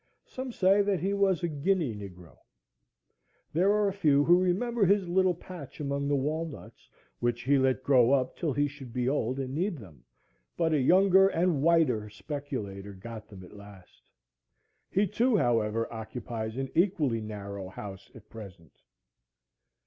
Some say that he was a Guinea Negro. There are a few who remember his little patch among the walnuts, which he let grow up till he should be old and need them; but a younger and whiter speculator got them at last. He too, however, occupies an equally narrow house at present.